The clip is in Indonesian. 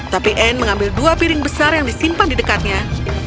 tapi anne mengambil dua piring besar yang disimpan di dekatnya